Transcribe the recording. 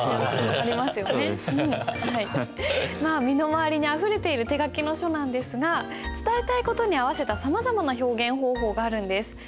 身の回りにあふれている手書きの書なんですが伝えたい事に合わせたさまざまな表現方法があるんです。